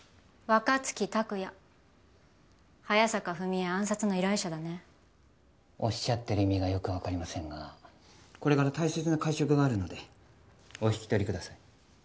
若槻卓也早坂文江暗殺の依頼者だねおっしゃってる意味がよく分かりませんがこれから大切な会食があるのでお引き取りください